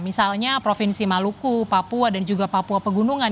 misalnya provinsi maluku papua dan juga papua pegunungan